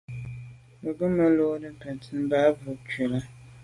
Bə̌k gə̀ mə́ lódə́ bə̀ncìn mbā bū cʉ lá.